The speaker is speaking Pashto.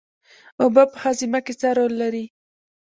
اوبه په هاضمه کې څه رول لري